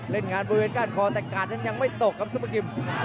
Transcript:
เล่นงานบริเวณก้านคอแต่กาดนั้นยังไม่ตกครับซุปเปอร์กิม